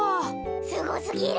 すごすぎる。